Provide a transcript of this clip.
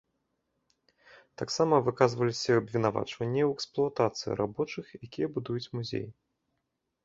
Таксама выказваліся абвінавачванні ў эксплуатацыі рабочых, якія будуюць музей.